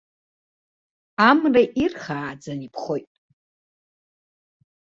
Амра ирхааӡаны иԥхоит.